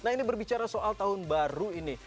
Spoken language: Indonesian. nah ini berbicara soal tahun baru ini